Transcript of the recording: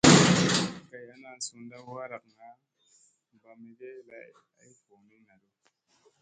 Kay ana ,sunɗa waraga, ɓaa mege lay ay voo ni naɗu.